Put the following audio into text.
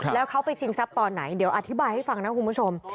แล้วเขาไปชิงทรัพย์ตอนไหนเดี๋ยวอธิบายให้ฟังนะคุณผู้ชม